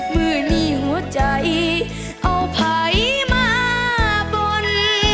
มือนี้หัวใจเอาไผ่มาบน